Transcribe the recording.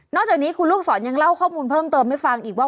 จากนี้คุณลูกศรยังเล่าข้อมูลเพิ่มเติมให้ฟังอีกว่า